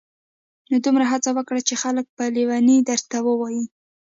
دومره هڅه وکړه چي خلک په لیوني درته ووایي.